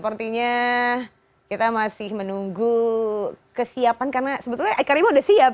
sepertinya kita masih menunggu kesiapan karena sebetulnya eka rima sudah siap